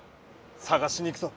さがしに行くぞ！